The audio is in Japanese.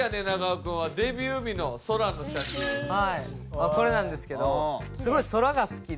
あっこれなんですけどすごい空が好きで。